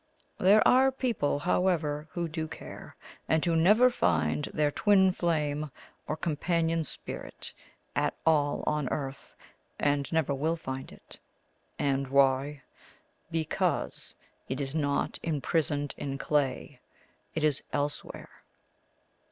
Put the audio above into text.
There are people, however, who do care, and who never find their Twin Flame or companion Spirit at all on earth, and never will find it. And why? Because it is not imprisoned in clay; it is elsewhere."